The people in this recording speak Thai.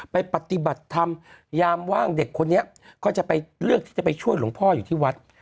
ไปปฏิบัติธรรมยามว่างเด็กคนนี้ก็จะไปเลือกที่จะไปช่วยหลวงพ่ออยู่ที่วัด